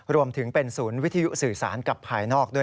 รวมถึงเป็นศูนย์วิทยุสื่อสารกับภายนอกด้วย